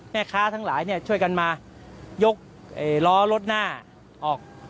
แม่ค้าทั้งหลายเนี่ยช่วยกันมายกล้อรถหน้าออก